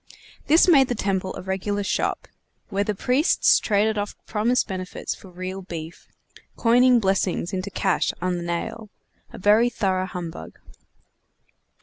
This made the temple a regular shop, where the priests traded off promised benefits for real beef; coining blessings into cash on the nail; a very thorough humbug.